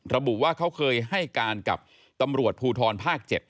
ระบุว่าเขาเคยให้การกับตำรวจภูทรภาค๗